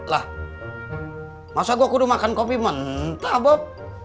lah masa gue kudu makan kopi mentah bob